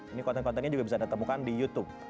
ini konten kontennya juga bisa anda temukan di youtube